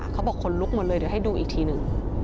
คนลุกหมดเลยเดี๋ยวให้ดูอีกทีหนึ่ง